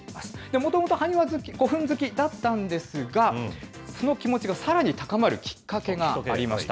もともと埴輪好き、古墳好きだったんですが、その気持ちがさらに高まるきっかけがありました。